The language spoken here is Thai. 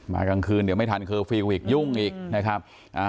กลางคืนเดี๋ยวไม่ทันเคอร์ฟิลล์อีกยุ่งอีกนะครับ